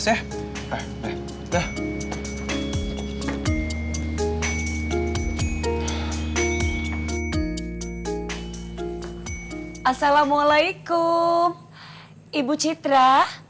assalamualaikum ibu citra